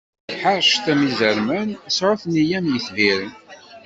Ḥeṛcet am izerman, sɛut nneyya am yetbiren.